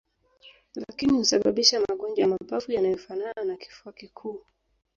lakini husababisha magonjwa ya mapafu yanayofanana na kifua kikuu